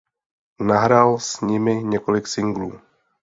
Nahrál s nimi několik singlů.